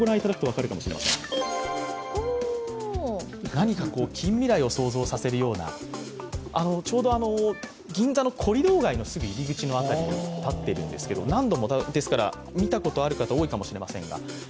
何か近未来を想像させるような、ちょうど銀座のコリドー街の入り口の辺りに建ってるんですけど何度も見たことある方、多いかもしれませんが。